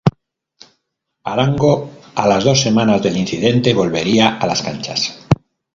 Arango a las dos semanas del incidente volvería a las canchas.